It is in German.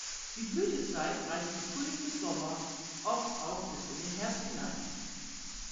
Die Blütezeit reicht von Frühling bis Sommer, oft auch bis in den Herbst hinein.